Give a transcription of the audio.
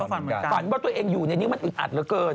ฝันว่าตัวเองอยู่ในนิ้วมันอึดอัดเหลือเกิน